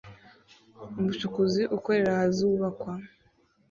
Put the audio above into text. Umucukuzi ukorera ahazubakwa